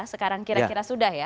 sekarang kira kira sudah ya